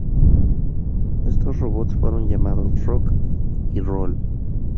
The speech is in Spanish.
Estos robots fueron llamados Rock y Roll.